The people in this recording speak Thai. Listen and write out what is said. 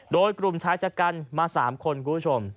โดยกลุ่มชายชะกันมา๓คนคุณผู้ชม